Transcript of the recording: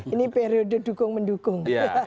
ini periode dukung mendukung